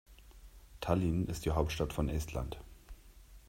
Tallinn ist die Hauptstadt von Estland.